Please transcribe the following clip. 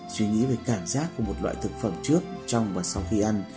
suy nghĩ về cảm giác của một loại thực phẩm trước trong và sau khi ăn